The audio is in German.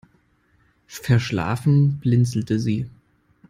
Verschlafen blinzelte sie.